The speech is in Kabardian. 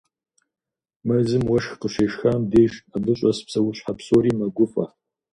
Мэзым уэшх къыщешхам деж, абы щӏэс псэущхьэ псори мэгуфӏэ.